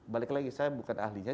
balik lagi saya bukan ahlinya